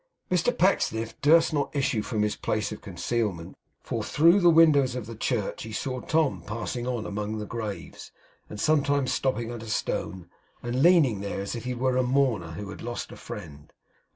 Mr Pecksniff durst not issue from his place of concealment; for through the windows of the church he saw Tom passing on among the graves, and sometimes stopping at a stone, and leaning there as if he were a mourner who had lost a friend.